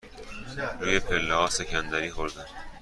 روی پله ها سکندری خوردم.